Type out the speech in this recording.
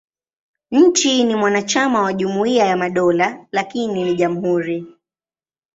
Nchi ni mwanachama wa Jumuiya ya Madola, lakini ni jamhuri.